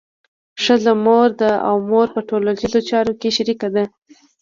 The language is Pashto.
ښځه مور ده او مور په ټولنیزو چارو کې شریکه ده.